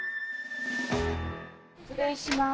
失礼します。